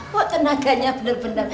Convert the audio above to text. wah tenaganya bener bener